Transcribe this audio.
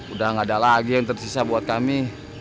udah gak ada lagi yang tersisa buat kami